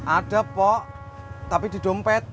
ada pok tapi di dompet